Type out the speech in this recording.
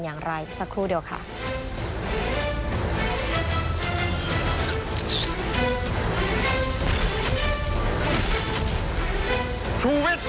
โอ้ไม่ไม่ไม่ใช่แน่นคืนเดียวล่ะครับยังไม่รู้ครับ